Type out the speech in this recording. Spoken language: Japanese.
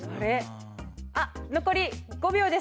あっ残り５秒です。